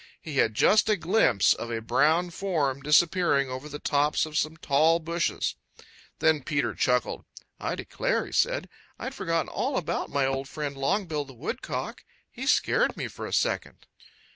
He had just a glimpse of a brown form disappearing over the tops of some tall bushes. Then Peter chuckled. "I declare," said he, "I had forgotten all about my old friend, Longbill the Woodcock. He scared me for a second."